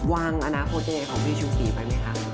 วางอนาคตของพี่ชุฟีไปไหมคะ